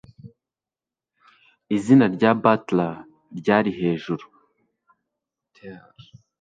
Izina rya Butler Ryari Hejuru